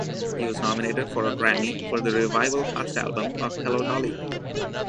He was nominated for a Grammy for the revival cast album of "Hello, Dolly!".